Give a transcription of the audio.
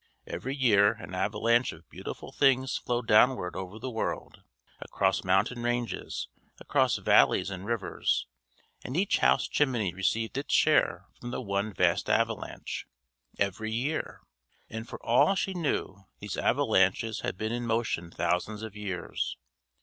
Every year an avalanche of beautiful things flowed downward over the world, across mountain ranges, across valleys and rivers; and each house chimney received its share from the one vast avalanche. Every year! And for all she knew these avalanches had been in motion thousands of years.